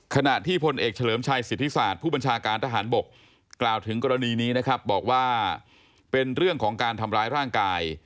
ขณะที่พลเอกเฉลิมชัยสิทธิศาสตร์ผู้บัญชาการทหารบกกล่าวถึงกรณีนี้นะครับบอกว่าเป็นเรื่องของการทำร้ายร่างกาย